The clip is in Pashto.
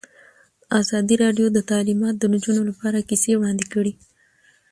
ازادي راډیو د تعلیمات د نجونو لپاره کیسې وړاندې کړي.